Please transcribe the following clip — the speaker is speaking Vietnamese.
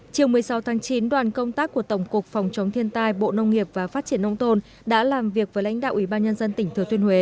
chiều một mươi sáu tháng chín đoàn công tác của tổng cục phòng chống thiên tai bộ nông nghiệp và phát triển nông tôn đã làm việc với lãnh đạo ủy ban nhân dân tỉnh thừa thiên huế